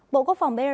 bộ quốc phòng belarus